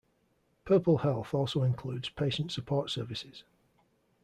Purple Health also includes patient support services.